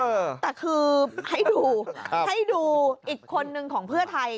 เออแต่คือให้ดูให้ดูอีกคนนึงของเพื่อไทย